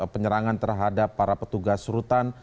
penyerangan terhadap para petugas rutan